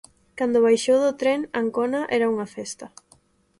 Cando baixou do tren, Ancona era unha festa.